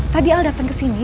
tadi al dateng kesini